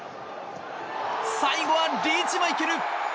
最後はリーチマイケル。